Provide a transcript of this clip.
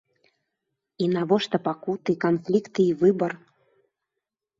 І навошта пакуты, канфлікты й выбар?